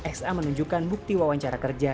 sa menunjukkan bukti wawancara kerja